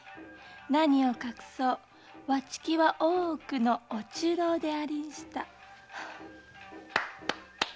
何を隠そうわちきは大奥のお中臈でありんした。